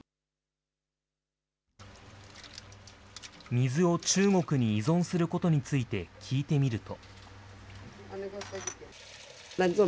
水を中国に依存することについて、聞いてみると。